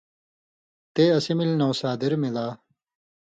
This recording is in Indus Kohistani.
تے اسی ملی نوسادر مِلا